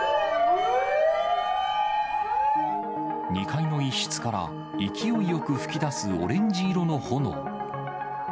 ２階の一室から、勢いよく吹き出すオレンジ色の炎。